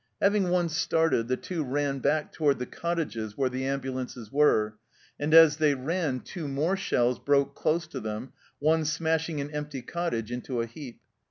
Having once started, the two ran back toward the cottages where the ambulances were, and as they ran two more shells broke close to them, one smashing an empty cottage into a heap.